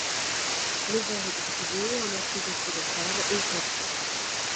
Le ver est distribué en Afrique occidentale et centrale.